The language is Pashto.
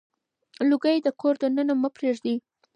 لوګي د کور دننه مه پرېږدئ.